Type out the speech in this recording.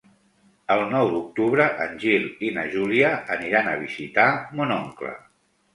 El nou d'octubre en Gil i na Júlia aniran a visitar mon oncle.